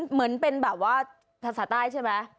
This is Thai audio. เหมือนเป็นแบบว่าภาษาใต้ใช่ไหม